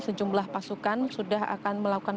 sejumlah pasukan sudah akan melakukan